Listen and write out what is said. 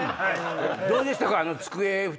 どうでしたか？